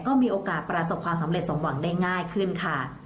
ก็มีโอกาสประสบความสำเร็จสมหวังได้ง่ายขึ้นค่ะ